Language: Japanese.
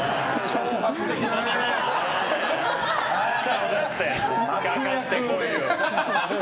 舌を出して、かかって来いよ！